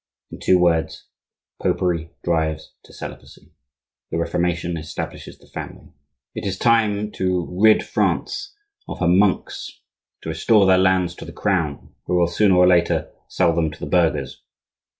In two words: Popery drives to celibacy, the Reformation establishes the family. It is time to rid France of her monks, to restore their lands to the Crown, who will, sooner or later, sell them to the burghers.